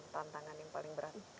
tantangan yang paling berat